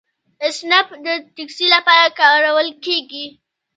اسنپ د ټکسي لپاره کارول کیږي.